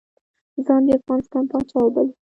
ځان د افغانستان پاچا وباله.